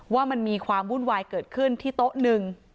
ว่ามันมีความวุ่นวายเกิดขึ้นที่โต๊ะหนึ่ง